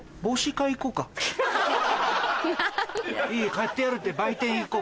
買ってやるって売店行こう。